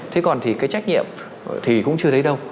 thế còn thì cái trách nhiệm thì cũng chưa thấy đâu